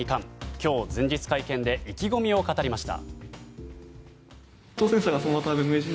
今日、前日会見で意気込みを語りました。